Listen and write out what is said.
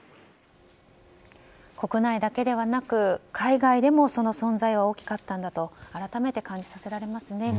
国内だけではなく海外でもその存在は大きかったんだと改めて感じさせられますね。